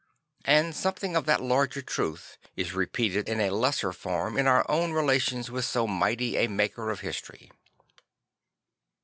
And something of that larger truth is repeated in a lesser form in our own relations with so mighty a maker of history.